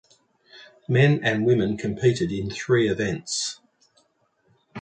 Men and women competed in three events.